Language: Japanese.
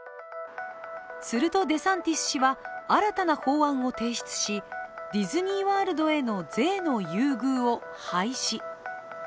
するとデサンティス氏は新たな法案を提出し、ディズニーワールドへの税の優遇を廃止。